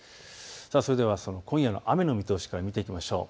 それでは今夜の雨の見通しから見ていきましょう。